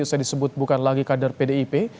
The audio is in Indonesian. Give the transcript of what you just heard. kok bisa disebut bukan lagi kader pdip